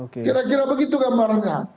kira kira begitu gambarnya